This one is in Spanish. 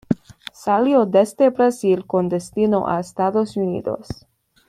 Salió desde Brasil con destino a Estados Unidos.